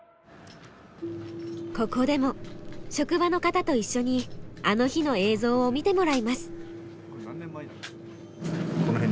ここでも職場の方と一緒に「あの日」の映像を見てもらいます。